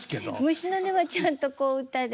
「虫の音」はちゃんと小唄で。